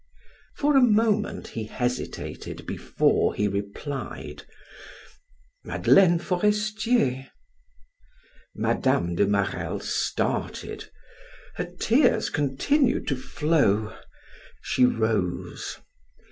For a moment he hesitated before he replied: "Madeleine Forestier!" Mme. de Marelle started; her tears continued to flow. She rose.